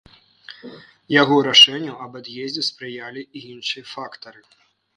Яго рашэнню аб ад'ездзе спрыялі і іншыя фактары.